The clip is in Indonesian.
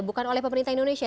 bukan oleh pemerintah indonesia